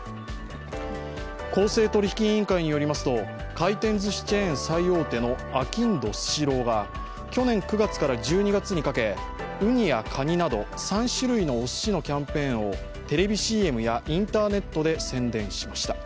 公正取引委員会によりますと、回転ずしチェーン最大手のあきんどスシローが去年９月から１２月にかけウニやカニなど３種類のお寿司のキャンペーンをテレビＣＭやインターネットで宣伝しました。